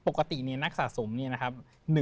ปกติในนักสะสมนี่ครับ